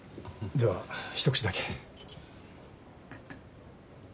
ではひと口だけ。